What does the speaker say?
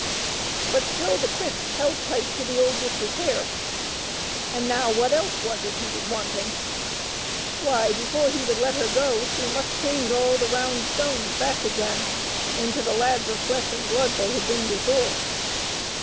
But still the prince held tight to the old witch's hair, and now what else was it he was wanting. Why, before he would let her go, she must change all the round stones back again into the lads of flesh and blood they had been before.